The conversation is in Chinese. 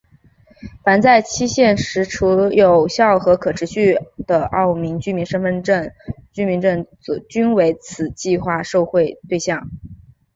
凡在限期时持有有效或可续期的澳门居民身份证居民均是为此计划之受惠对象。